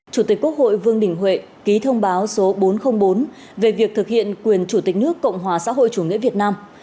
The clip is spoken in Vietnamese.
chủ tịch quốc hội vương đình huệ ký thông báo số bốn trăm linh bốn về việc thực hiện quyền chủ tịch nước cộng hòa xã hội chủ nghĩa việt nam